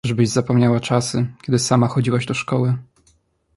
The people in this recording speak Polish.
Czyżbyś zapomniała czasy kiedy sama chodziłaś do szkoły?